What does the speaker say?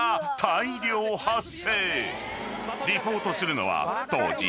［リポートするのは当時］